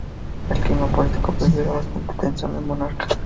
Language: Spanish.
El clima político previo era bastante tenso con el monarca.